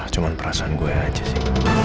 cuma perasaan gue aja sih